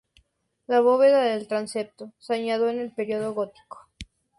La bóveda del transepto se añadió en el período gótico.